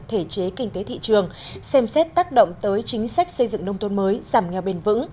thể chế kinh tế thị trường xem xét tác động tới chính sách xây dựng nông tôn mới giảm nghèo bền vững